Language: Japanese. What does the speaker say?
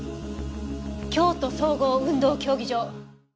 京都総合運動競技場。